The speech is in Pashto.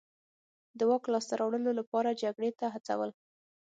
د واک لاسته راوړلو لپاره جګړې ته هڅول.